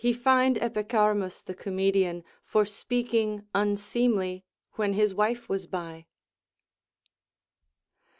191 fined Epicharmus the comedian, for speaking unseemly when his wife was by.